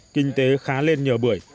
kinh tế khá lên nhờ bưởi